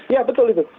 ya betul itu